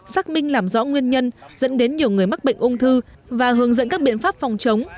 xác minh làm rõ nguyên nhân dẫn đến nhiều người mắc bệnh ung thư và hướng dẫn các biện pháp phòng chống